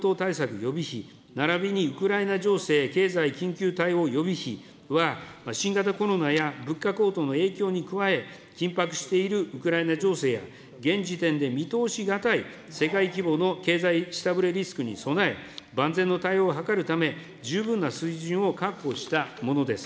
予備費ならびにウクライナ情勢経済緊急対応予備費は新型コロナや、物価高騰の影響に加え、緊迫しているウクライナ情勢や現時点で見通し難い世界規模の経済下振れリスクに備え、万全の対応を図るため、十分な水準を確保したものです。